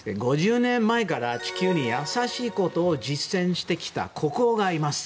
５０年前から地球に優しいことを実践してきた国王がいます。